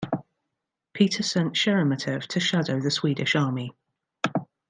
Peter sent Sheremetev to shadow the Swedish army.